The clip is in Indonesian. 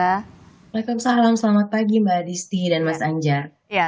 waalaikumsalam selamat pagi mbak disti dan mas anjar